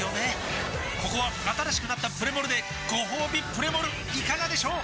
ここは新しくなったプレモルでごほうびプレモルいかがでしょう？